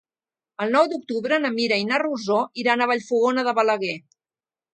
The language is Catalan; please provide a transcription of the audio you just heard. El nou d'octubre na Mira i na Rosó iran a Vallfogona de Balaguer.